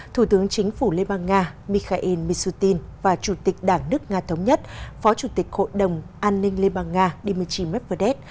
thủ tướng chính phủ liên bang nga mikhail mishutin và chủ tịch đảng nước nga thống nhất phó chủ tịch hội đồng an ninh liên bang nga dmitry medvedev